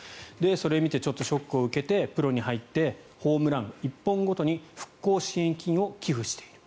それを見てショックを受けてプロに入ってホームラン１本ごとに復興支援金を寄付している。